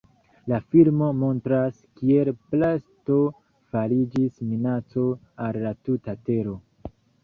La filmo montras, kiel plasto fariĝis minaco al la tuta tero.